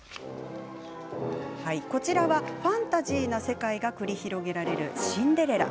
こちらは、ファンタジーな世界が繰り広げられる「シンデレラ」。